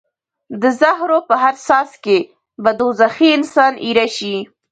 د زهرو په هر څاڅکي به دوزخي انسان ایره شي.